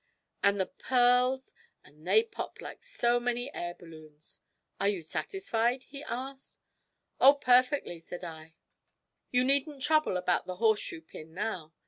Then the pearls and they popped like so many air balloons. "Are you satisfied?" he asked. '"Oh, perfectly,"' said I, "you needn't trouble about the horse shoe pin now.